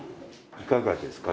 いかがですか？